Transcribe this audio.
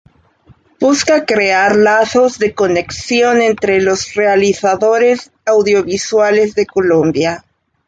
Busca crear lazos de conexión entre los realizadores audiovisuales de Colombia.